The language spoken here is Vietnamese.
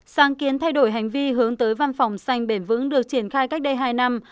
sáng kiến thay đổi hành vi hướng tới văn phòng xanh bền vững được triển khai cách đây hai năm